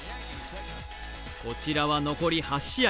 こちらは残り７試合。